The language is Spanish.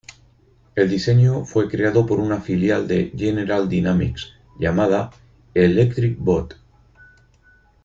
El diseño fue creado por una filial de General Dynamics llamada "Electric Boat".